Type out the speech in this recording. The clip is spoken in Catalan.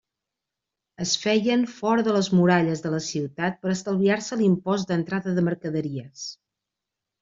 Es feien fora de les muralles de la ciutat per estalviar-se l'impost d'entrada de mercaderies.